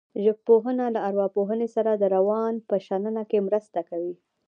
ژبپوهنه له ارواپوهنې سره د روان په شننه کې مرسته کوي